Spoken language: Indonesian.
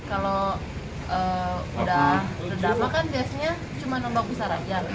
kalau udah redama kan biasanya cuma nombak besar aja